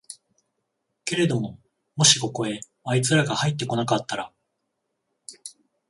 けれどももしここへあいつらがはいって来なかったら、